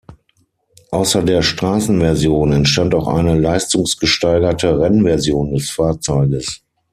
Außer der Straßenversion entstand auch eine leistungsgesteigerte Rennversion des Fahrzeuges.